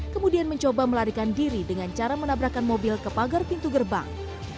kemudian mencoba melarikan diri dengan cara menabrakan mobil ke pagar pintu gerbang